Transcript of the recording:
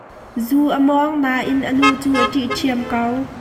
Zu a mawng nain an nu cu a ṭih ṭhiam ko.